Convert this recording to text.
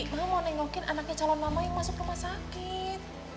mama mau nengokin anaknya calon mama yang masuk rumah sakit